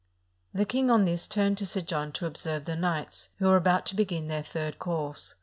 The king on this turned to Sir John to observe the knights, who were about to begin their third course.